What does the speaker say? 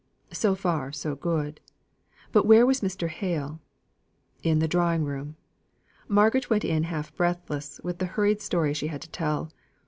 So far, so good. But where was Mr. Hale? In the drawing room. Margaret went in half breathless with the hurried story she had to tell.